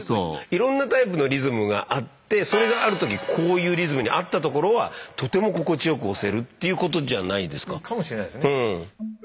いろんなタイプのリズムがあってそれがある時こういうリズムに合ったところはとても心地よく押せるっていうことじゃないですか？かもしれないですね。